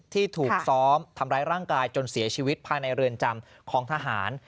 ที่ถูกซ้อมทำร้ายร่างกายจนเสียชีวิตภายในเรือนจำของทหาร